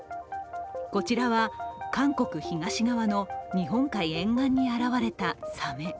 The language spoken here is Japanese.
こちらは、韓国東側の日本海沿岸に現れたサメ。